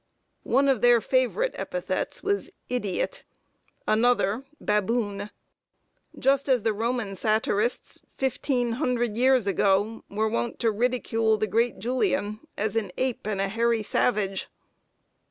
One of their favorite epithets was "idiot;" another, "baboon;" just as the Roman satirists, fifteen hundred years ago, were wont to ridicule the great Julian as an ape and a hairy savage.